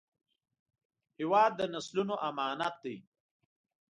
هېواد د نسلونو امانت دی